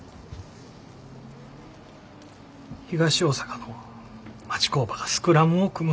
東大阪の町工場がスクラムを組む？